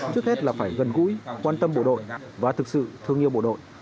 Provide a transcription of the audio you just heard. trước hết là phải gần gũi quan tâm bộ đội và thực sự thương yêu bộ đội